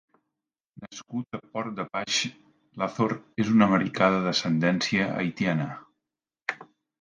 Nascut a Port-de-Paix, l'Azor és un americà de descendència haitiana.